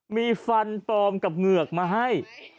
มีฟันปลอมกับเหงือกมาให้